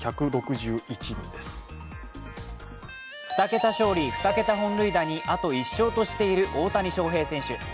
２桁勝利・２桁本塁打にあと１勝としている大谷翔平選手。